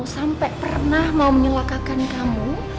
sampai pernah mau menyelakakan kamu